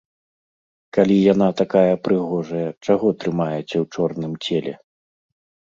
Калі яна такая прыгожая, чаго трымаеце ў чорным целе?